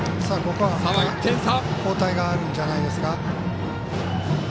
ここは交代あるんじゃないですか。